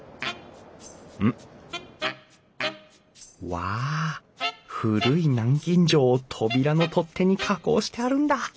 わあ古い南京錠を扉の取っ手に加工してあるんだ。